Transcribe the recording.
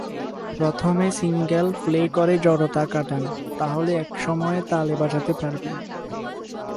প্রথমে single play করে জড়তা কাটান তাহলে একসময়ে তালে বাজাতে পারবেন।